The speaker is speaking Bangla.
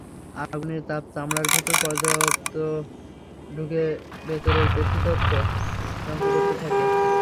আগুনের তাপ চামড়ার ভেতর পর্যন্ত ঢুকে ভেতরের পেশিতন্তু ধ্বংস করতে থাকে।